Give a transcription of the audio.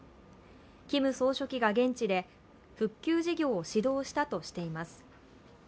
キム総書記が現地で復旧事業を指導したとしています。